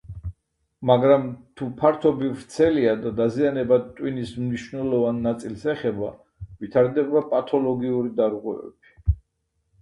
მაგრამ, თუ ფართობი ვრცელია და დაზიანება ტვინის მნიშვნელოვან ნაწილს ეხება, ვითარდება პათოლოგიური დარღვევები.